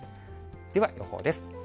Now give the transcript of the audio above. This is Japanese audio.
では予報です。